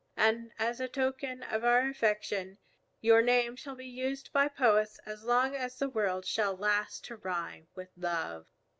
And as a token of our affection your name shall be used by poets as long as the world shall last to rhyme with love."